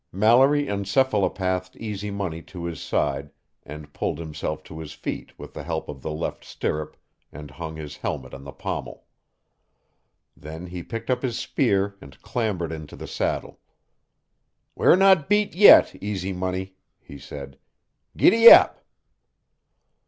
Mallory encephalopathed Easy Money to his side and pulled himself to his feet with the help of the left stirrup and hung his helmet on the pommel. Then he picked up his spear and clambered into the saddle. "We're not beat yet, Easy Money," he said. _Giddy ap!